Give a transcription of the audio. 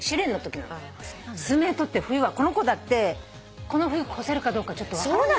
スズメにとって冬はこの子だってこの冬越せるかどうかちょっと分からない。